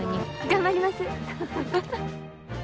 頑張ります。